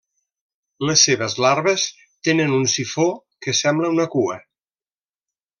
Les seves larves tenen un sifó que sembla una cua.